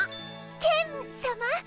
ケンさま？